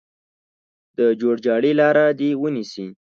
د جوړجاړي لاره دې ونیسي.